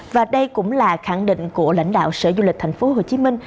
và đây cũng là khẳng định của lãnh đạo sở du lịch thành phố hồ chí minh